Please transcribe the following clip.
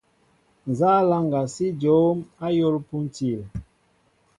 Nza laŋga si jǒm ayȏl pȗntil ?